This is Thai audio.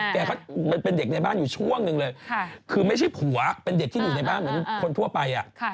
ก็เป็นเด็กในบ้านอยู่ช่วงหนึ่งเลยคือไม่ใช่ผัวเป็นเด็กที่อยู่ในบ้านเหมือนคนทั่วไป